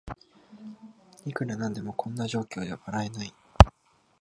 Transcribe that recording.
いくらなんでもこんな状況じゃ笑えない